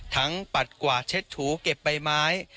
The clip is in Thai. ปัดกวาดเช็ดถูเก็บใบไม้